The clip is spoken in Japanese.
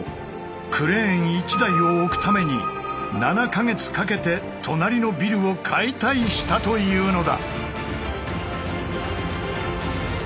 クレーン１台を置くために７か月かけて隣のビルを解体したというのだ！